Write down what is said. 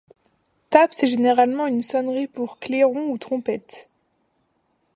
Taps est généralement une sonnerie pour clairon ou trompette.